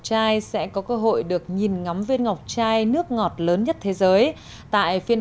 trai sẽ có cơ hội được nhìn ngắm viên ngọc trai nước ngọt lớn nhất thế giới tại phiên